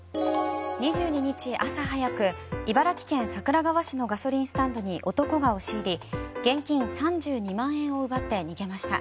２２日朝早く、茨城県桜川市のガソリンスタンドに男が押し入り現金３２万円を奪って逃げました。